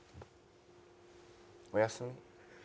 おやすみ。